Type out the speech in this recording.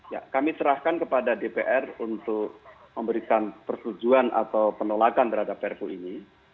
ya kami serahkan kepada dpr untuk memberikan persetujuan atau penolakan terhadap perpu ini